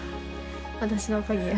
私のおかげや。